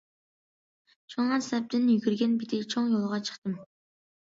شۇڭا سىنىپتىن يۈگۈرگەن پېتى چوڭ يولغا چىقتىم.